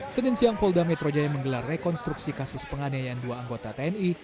senin siang polda metro jaya menggelar rekonstruksi kasus penganiayaan dua anggota tni